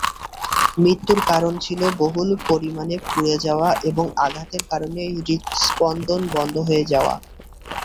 মৃত্যুর কারণ ছিল বহুল পরিমাণে পুড়ে যাওয়া এবং আঘাতের কারণে হৃৎস্পন্দন বন্ধ হয়ে যাওয়া।